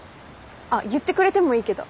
あっ言ってくれてもいいけど。